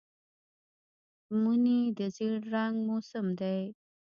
مني د زېړ رنګ موسم دی